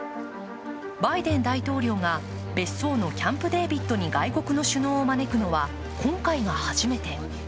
バイデン大統領が別荘のキャンプ・デービッドに外国の首脳を招くのは今回が初めて。